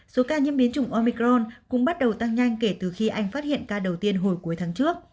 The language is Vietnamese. số ca nhiễm biến chủng omicron cũng bắt đầu tăng nhanh kể từ khi anh phát hiện ca đầu tiên hồi cuối tháng trước